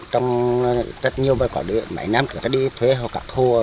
trong rất nhiều mảy năm chúng ta đi thuê hoặc thua